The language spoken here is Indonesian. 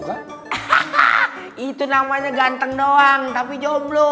hahaha itu namanya ganteng doang tapi jomblo